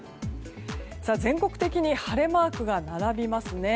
全国的に晴れマークが並びますね。